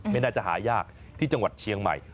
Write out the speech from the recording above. ไม่น่าจะหายากที่จังหวัดเชียงใหม่